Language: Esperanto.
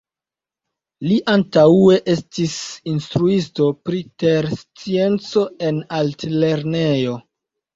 Li antaŭe estis instruisto pri terscienco en altlernejo.